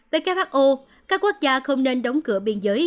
who các quốc gia không nên đóng cửa biên giới